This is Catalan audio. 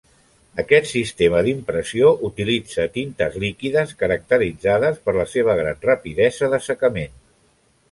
Aquest sistema d'impressió utilitza tintes líquides caracteritzades per la seva gran rapidesa d'assecament.